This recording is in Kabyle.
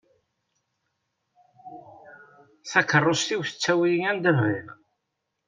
Takerrust-iw tettawi-iyi anda bɣiɣ;